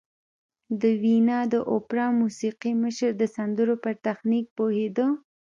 د ویانا د اوپرا موسیقي مشر د سندرو پر تخنیک پوهېده